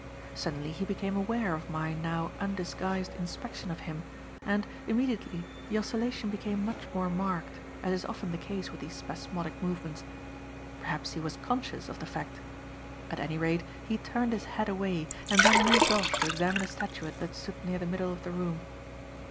Suddenly he became aware of my, now undisguised, inspection of him, and, immediately, the oscillation became much more marked, as is often the case with these spasmodic movements. Perhaps he was conscious of the fact; at any rate, he turned his head away and then moved off to examine a statuette that stood near the middle of the room.